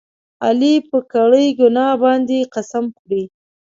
علي په کړې ګناه باندې قسم خوري.